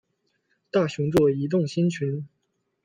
大熊座移动星群